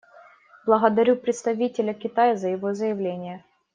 Благодарю представителя Китая за его заявление.